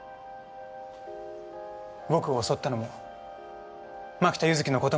僕を襲ったのも槙田柚生の事も全部。